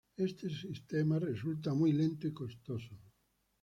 Este sistema resultaba muy lento y costoso.